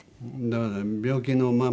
だから病気の魔物。